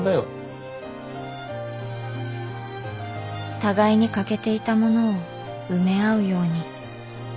互いに欠けていたものを埋め合うように。